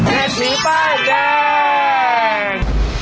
เศรษฐีป้ายแดง